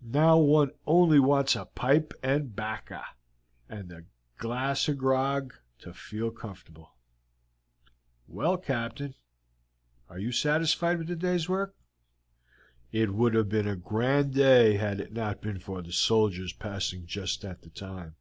"Now one only wants a pipe and bacca and a glass of grog, to feel comfortable." "Well, Captain, are you satisfied with the day's work?" "It would have been a grand day had it not been for the soldiers passing just at the time.